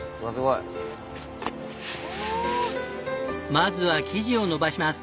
まずは生地を延ばします。